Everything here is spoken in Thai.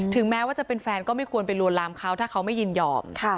แม้ว่าจะเป็นแฟนก็ไม่ควรไปลวนลามเขาถ้าเขาไม่ยินยอม